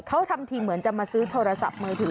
เขาทำทีเหมือนจะมาซื้อโทรศัพท์มือถือ